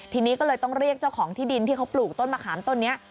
ทีนี้ก็เลยต้องเรียกเจ้าของที่ดินที่เขาปลูกต้นมะขามต้นนี้